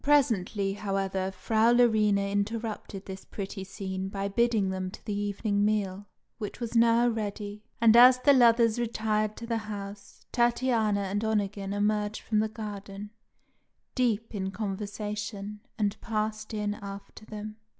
Presently, however, Frau Larina interrupted this pretty scene by bidding them to the evening meal, which was now ready; and as the lovers retired to the house, Tatiana and Onegin emerged from the garden, deep in conversation, and passed in after them.